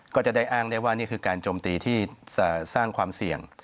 ก็จะได้อ้างได้ว่านี่คือการโจมตีที่สร้างความเสี่ยง